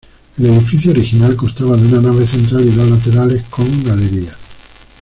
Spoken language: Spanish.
El edificio original constaba de una nave central y dos laterales, con galerías.